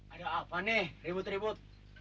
ada apa nih ribut ribut